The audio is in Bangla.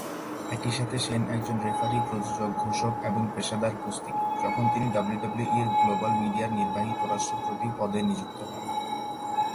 একই সাথে শেন একজন রেফারি, প্রযোজক, ঘোষক এবং পেশাদার কুস্তিগীর, যখন তিনি ডাব্লিউডাব্লিউইর গ্লোবাল মিডিয়ার নির্বাহী উপরাষ্ট্রপতি পদে নিযুক্ত হন।